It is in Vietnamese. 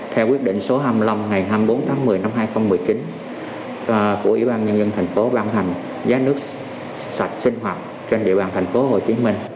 theo quyết định số hai mươi năm ngày hai mươi bốn tháng một mươi năm hai nghìn một mươi chín của ủy ban nhân dân thành phố ban hành giá nước sạch sinh hoạt trên địa bàn thành phố hồ chí minh